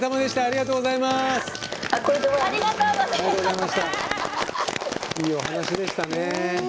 いいお話でしたね。